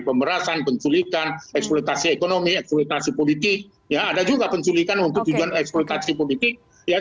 pemerasan penculikan eksploitasi ekonomi eksploitasi politik ya ada juga penculikan untuk tujuan eksploitasi politik